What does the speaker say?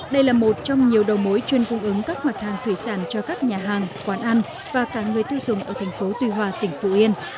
đây là một trong nhiều đầu mối chuyên cung ứng các mặt hàng thủy sản cho các nhà hàng quán ăn và cả người tiêu dùng ở thành phố tuy hòa tỉnh phú yên